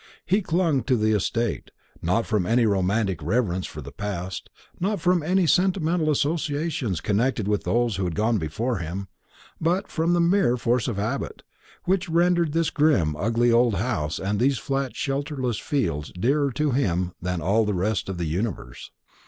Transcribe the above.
He clung to the estate, not from any romantic reverence for the past, not from any sentimental associations connected with those who had gone before him, but from the mere force of habit, which rendered this grim ugly old house and these flat shelterless fields dearer to him than all the rest of the universe.